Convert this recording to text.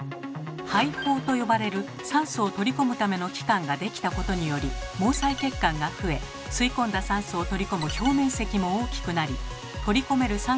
肺胞と呼ばれる酸素を取り込むための器官ができたことにより毛細血管が増え吸い込んだ酸素を取り込む表面積も大きくなり取り込める